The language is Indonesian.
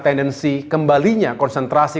tendensi kembalinya konsentrasi